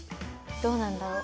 どうなんだろう。